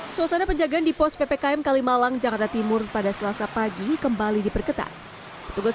suasana penjagaan di pos ppkm kalimalang jakarta timur pada selasa pagi kembali diperketat petugas